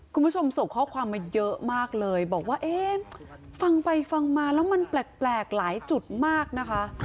คุณผู้ชมส่งข้อความมาเยอะมากเลยบอกว่าเอ๊ะฟังไปฟังมาแล้วมันแปลกหลายจุดมากนะคะ